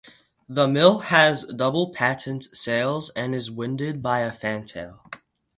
The mill has double Patent sails and is winded by a fantail.